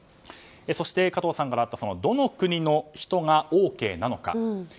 そして、加藤さんからもあったどの国の人がＯＫなのか。